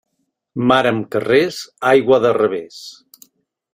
Mar amb carrers, aigua de revés.